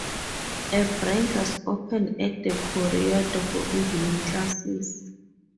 A branch was opened at The Corridor for evening classes.